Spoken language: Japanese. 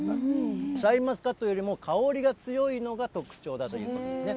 シャインマスカットよりも香りが強いのが特徴だということですね。